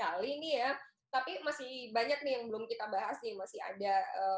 jangan melupakan nih ya mas yogi nih masih banyak nih yang belum kita bahas nih masih ada